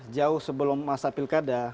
jauh sebelum masa pilkada